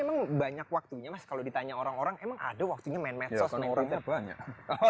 emang banyak waktunya mas kalau ditanya orang orang emang ada waktunya main medsos main orangnya banyak